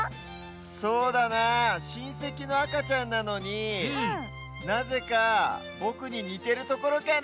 そうだなしんせきのあかちゃんなのになぜかぼくににてるところかな。